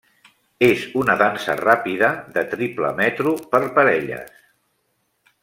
És una dansa ràpida de triple metro per parelles.